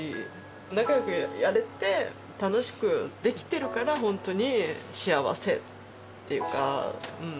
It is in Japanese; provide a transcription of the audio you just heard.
仲よくやれて、楽しくできてるから、本当に幸せっていうか。